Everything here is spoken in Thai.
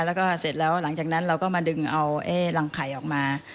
แล้วก็เสร็จแล้วหลังจากนั้นเราก็มาดึงเอารังไข่ออกมา